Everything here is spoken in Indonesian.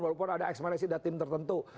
walaupun ada ekspresi datin tertentu